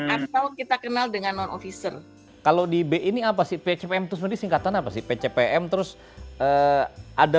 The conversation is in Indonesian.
atau kalau kita kenal dengan non officer kalau di b ini apa sih phpm itu sendiri singkatan apa sih pcpm terus ada